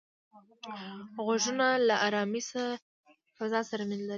غوږونه له آرامې فضا سره مینه لري